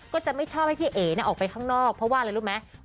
ก็จะไม่ชอบให้พี่เอ๋ออกไปข้างนอกเพราะว่าอะไรรู้ไหม